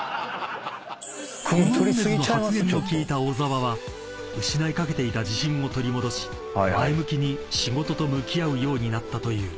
［この梅津の発言を聞いた小澤は失いかけていた自信を取り戻し前向きに仕事と向き合うようになったという］